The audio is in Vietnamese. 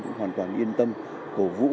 cũng hoàn toàn yên tâm cổ vũ